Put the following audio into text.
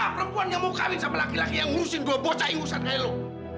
perempuan yang mau kahwin sama laki laki yang ngurusin dua bocah ingusan kayak lo